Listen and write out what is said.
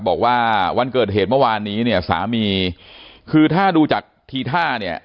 บอกว่าวันเกิดเหตุเมื่อวานนี้เนี่ยสามีคือถ้าดูจากทีท่าเนี่ย